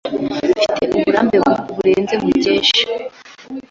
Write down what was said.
Mfite uburambe burenze Mukesha.